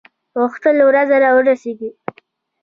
غوښتل ورځ را ورسیږي.